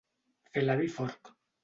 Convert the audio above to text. Fer l'avi Forc.